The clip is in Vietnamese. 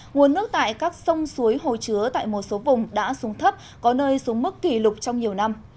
nguồn nước tại các sông suối hồ chứa tại một số vùng đã xuống thấp có nơi xuống mức kỷ lục trong nhiều năm